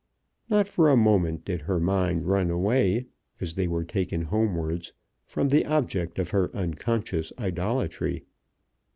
Not for a moment did her mind run away, as they were taken homewards, from the object of her unconscious idolatry.